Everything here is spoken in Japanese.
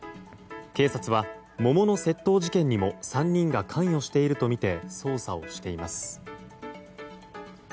警察は桃の窃盗事件にも３人が関与しているとみて捜査をしています。